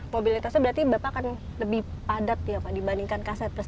mobilitasnya berarti bapak akan lebih padat ya pak dibandingkan kaset pres